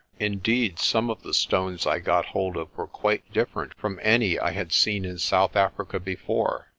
Indeed some of the stones I got hold of were quite different from any I had seen in South Africa before.